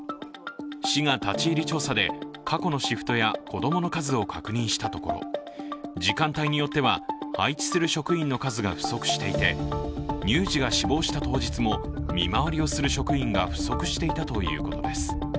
市が立ち入り調査で過去のシフトや子供の数を確認したところ、時間帯によっては配置する職員の数が不足していて、乳児が死亡した当日も見回りをする職員が不足していたということです。